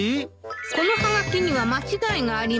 「このハガキには間ちがいがあります」